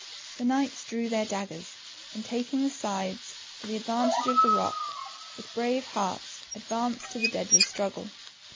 The knights drew their daggers, and taking the sides for the advantage of the rock, with brave hearts, advanced to the deadly struggle.